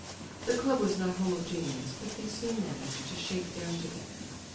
The club was not homogeneous, but they soon managed to shake down together.